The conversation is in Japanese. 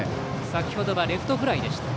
先程はレフトフライでした。